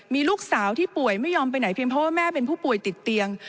มีลูกสาวที่ป่วยไม่ยอมไปไหนเพียงเพราะว่าแม่เป็นผู้ป่วยติดเตียง